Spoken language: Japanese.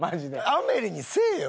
『アメリ』にせえよ！